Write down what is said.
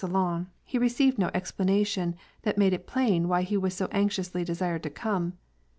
salon, he received no explanation that made it plain whj he was so anxiously desired to come.